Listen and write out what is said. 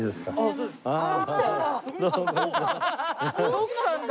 徳さんだ！